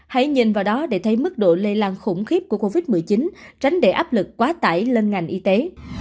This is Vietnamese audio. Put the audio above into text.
hãy nhìn vào đó để thấy mức độ lây lan khủng khiếp của covid một mươi chín tránh để áp lực quá tải lên ngành y tế